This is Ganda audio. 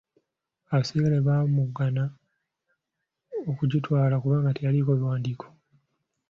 Abaserikale baamugana okugitwala kubanga teyaliiko biwandiiko.